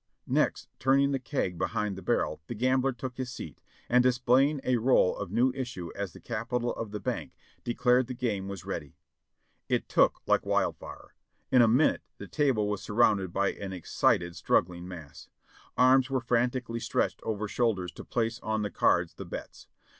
Next, turning the keg behind the barrel, the gam bler took his seat, and displaying a roll of new issue as the capital of the bank, declared the game was ready. It took like wild fire ; in a minute the table was surrounded by an excited, struggling mass. Arms were frantically stretched over shoulders to place on the cards the bets.